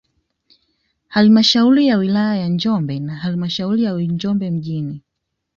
Halmashauri ya wilaya ya Njombe na halmashauri ya Njombe mjini